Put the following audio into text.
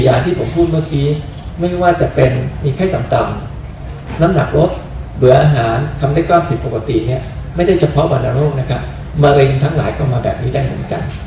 อย่างที่ผมพูดเมื่อกี้ไม่ว่าจะเป็นมีไข้ต่ำน้ำหนักลดเบื่ออาหารคำได้ว่าผิดปกติเนี่ยไม่ได้เฉพาะวรรณโรคนะครับมะเร็งทั้งหลายก็มาแบบนี้ได้เหมือนกัน